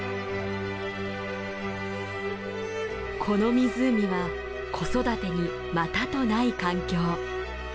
この湖は子育てにまたとない環境。